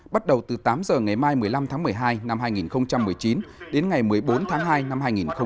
bắt đầu từ tám giờ ngày mai một mươi năm tháng một mươi hai năm hai nghìn một mươi chín đến ngày một mươi bốn tháng hai năm hai nghìn hai mươi